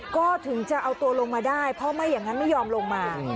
ก็ถึงจะเอาตัวลงมาได้เพราะไม่อย่างนั้นไม่ยอมลงมา